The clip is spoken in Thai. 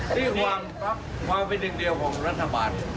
ที่ห่วงครับความเป็นหนึ่งเดียวของรัฐบาล